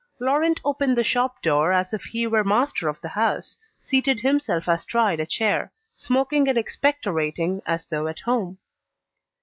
Laurent opened the shop door as if he were master of the house, seated himself astride a chair, smoking and expectorating as though at home.